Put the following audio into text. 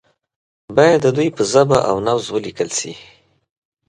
باید د دوی په ژبه او نبض ولیکل شي.